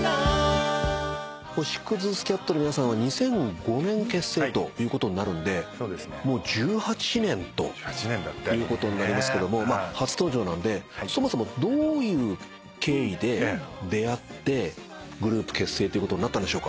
星屑スキャットの皆さんは２００５年結成ということになるんでもう１８年ということになりますけども初登場なんでそもそもどういう経緯で出会ってグループ結成ということになったんでしょうか？